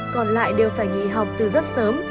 còn lại đều phải nghỉ học từ rất sớm